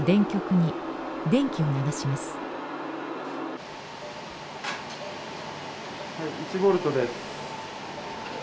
１ボルトです。